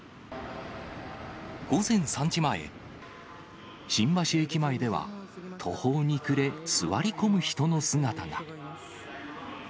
午前３時前、新橋駅前では、途方に暮れ、座り込む人の姿が。